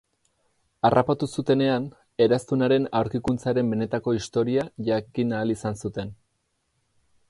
Harrapatu zutenean, Eraztunaren aurkikuntzaren benetako historia jakin ahal izan zuten.